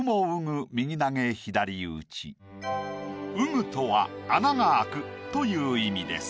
「穿ぐ」とは穴があくという意味です。